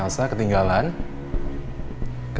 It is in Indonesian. aku mau ikut er jahren ya